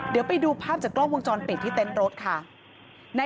เดี๋ยวไปดูภาพจากกล้องวงจรปิดที่เต็นต์รถค่ะ